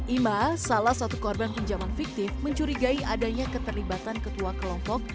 ima salah satu korban pinjaman fiktif mencurigai adanya keterlibatan ketua kelompok